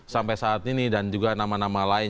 sampai saat ini dan juga nama nama lain